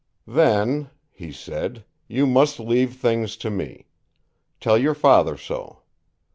"Then," he said, "you must leave things to me. Tell your father so.